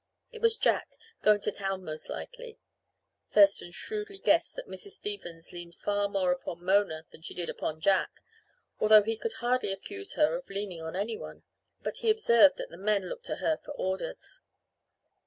It was Jack going to town most likely. Thurston shrewdly guessed that Mrs. Stevens leaned far more upon Mona than she did upon Jack, although he could hardly accuse her of leaning on anyone. But he observed that the men looked to her for orders.